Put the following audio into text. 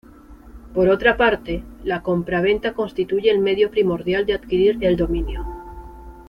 Por otra parte, la compraventa constituye el medio primordial de adquirir el dominio.